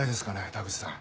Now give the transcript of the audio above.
田口さん。